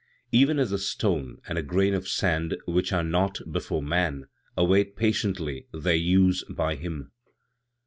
"Even as a stone and a grain of sand, which are naught before man, await patiently their use by Him.